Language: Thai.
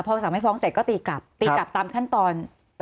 พอสั่งไม่ฟ้องเสร็จก็ตีกลับตีกลับตามขั้นตอน